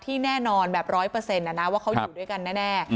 ที่แน่นอนแบบร้อยเปอร์เซ็นต์นะว่าเขาอยู่ด้วยกันแน่